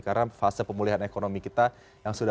karena fase pemulihan ekonomi kita